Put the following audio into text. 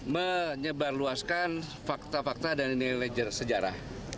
menyebarluaskan fakta fakta dan nilai sejarah